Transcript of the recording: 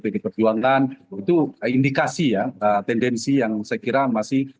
pdi perjuangan itu indikasi ya tendensi yang saya kira masih